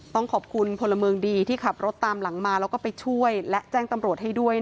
ต้องขอบคุณพลเมืองดีที่ขับรถตามหลังมาแล้วก็ไปช่วยและแจ้งตำรวจให้ด้วย